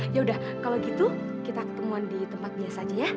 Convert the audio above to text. yaudah kalau gitu kita ketemu di tempat biasa aja ya